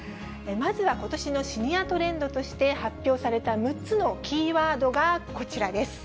まずはことしのシニアトレンドとして発表された６つのキーワードがこちらです。